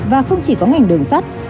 và không chỉ có ngành đường sắt